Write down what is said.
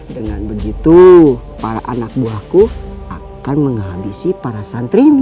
dengan begitu para anak buahku akan menghabisi para santrimu